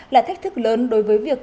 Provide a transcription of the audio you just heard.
là thách thức lớn đối với việc